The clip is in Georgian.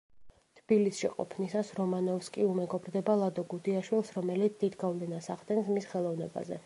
თბილისში ყოფნისას რომანოვსკი უმეგობრდება ლადო გუდიაშვილს, რომელიც დიდ გავლენას ახდენს მის ხელოვნებაზე.